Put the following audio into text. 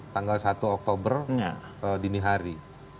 tanggal satu oktober dini hari